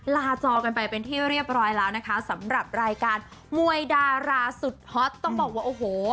จอกันไปเป็นที่เรียบร้อยแล้วนะคะสำหรับรายการมวยดาราสุดฮอตต้องบอกว่าโอ้โห